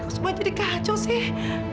kok semua jadi kacau sih